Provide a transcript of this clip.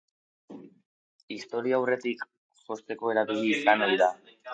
Historiaurretik, josteko erabili izan ohi da.